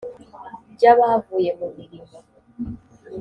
ry abavuye mu mirimo